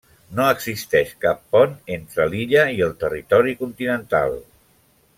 No existeix cap pont entre l'illa i el territori continental.